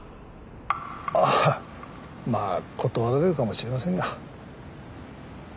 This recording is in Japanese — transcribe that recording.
あまあ断られるかもしれませんが。